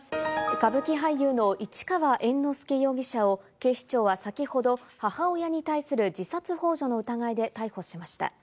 歌舞伎俳優の市川猿之助容疑者を警視庁は先ほど母親に対する自殺ほう助の疑いで逮捕しました。